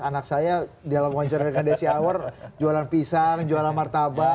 anak saya di dalam konser rekadesi hour jualan pisang jualan martabak